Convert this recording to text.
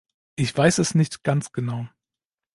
Ich weiß es nicht ganz genau.